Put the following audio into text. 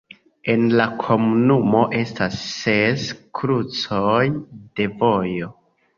En la komunumo estas ses krucoj de vojo.